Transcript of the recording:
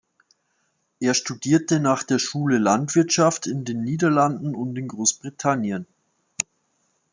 Er studierte nach der Schule Landwirtschaft in den Niederlanden und in Großbritannien.